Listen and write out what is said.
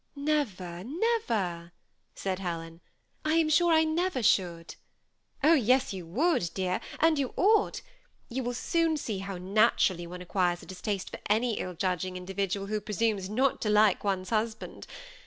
" Never, never I " said Helen ;" I am sure I never should." " Oh yes you would, dear ; and you ought. You will soon see how naturally one acquires a distaste for any ill judging individual who presumes not to like one's hus band.